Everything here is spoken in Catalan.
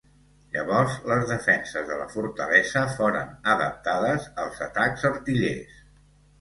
Llavors les defenses de la fortalesa foren adaptades als atacs artillers.